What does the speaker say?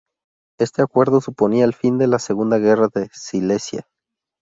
Este acuerdo suponía el fin de la Segunda Guerra de Silesia.